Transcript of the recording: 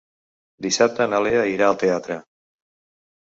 Dissabte na Lea irà al teatre.